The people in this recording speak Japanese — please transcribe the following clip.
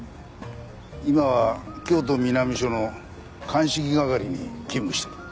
今は京都南署の鑑識係に勤務している。